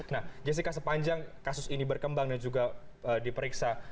nah jessica sepanjang kasus ini berkembang dan juga diperiksa